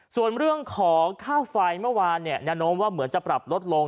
ส่วนเรื่องของค่าไฟเมื่อวานเนี่ยแนวโน้มว่าเหมือนจะปรับลดลง